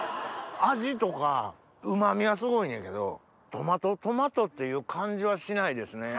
味とかうま味はすごいねんけどトマトトマトっていう感じはしないですね。